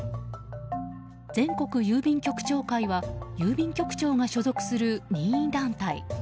全国郵便局長会は郵便局長が所属する任意団体。